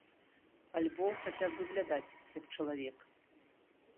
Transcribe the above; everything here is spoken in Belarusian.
Альбо хаця б выглядаць, як чалавек.